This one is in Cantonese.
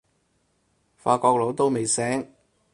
法國佬都未醒